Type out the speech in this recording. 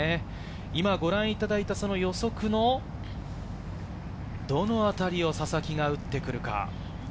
今ご覧いただいたその予測のどのあたりをささきが打ってくるか。